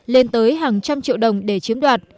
lên tới hàng trăm triệu đồng để chiếm đoạt